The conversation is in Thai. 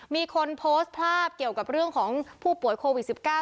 มีคนโพสต์ภาพเกี่ยวกับเรื่องของผู้ป่วยโควิด๑๙